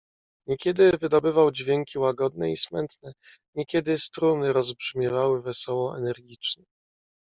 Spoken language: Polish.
"Niekiedy wydobywał dźwięki łagodne i smętne, niekiedy struny rozbrzmiewały wesoło, energicznie."